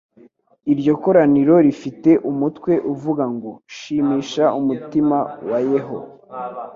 Iryo koraniro rifite umutwe uvuga ngo: “Shimisha umutima wa Yeho